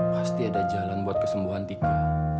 pasti ada jalan buat kesembuhan tika